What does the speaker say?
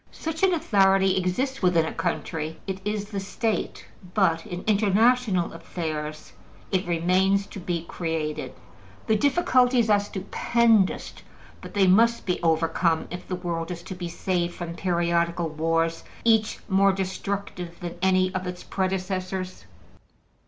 Such an authority exists within a country: it is the State. But in international affairs it remains to be created. The difficulties are stupendous, but they must be overcome if the world is to be saved from periodical wars, each more destructive than any of its predecessors.